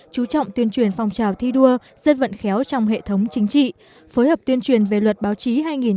chú trọng tuyên truyền phong trào thi đua dân vận khéo trong hệ thống chính trị phối hợp tuyên truyền về luật báo chí hai nghìn một mươi